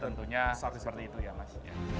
tentunya seperti itu ya mas